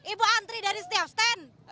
ibu antri dari setiap stand